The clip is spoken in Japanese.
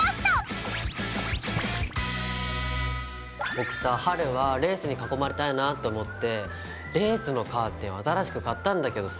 僕さ春はレースに囲まれたいなと思ってレースのカーテンを新しく買ったんだけどさ。